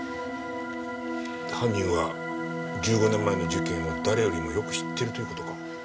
犯人は１５年前の事件を誰よりもよく知ってるという事か。